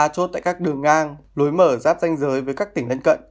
ba mươi ba chốt tại các đường ngang lối mở giáp danh giới với các tỉnh gần cận